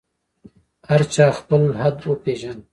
هر چا خپل حد وپېژاند.